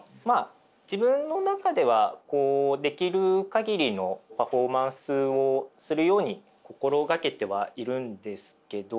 自分の中ではできる限りのパフォーマンスをするように心掛けてはいるんですけど。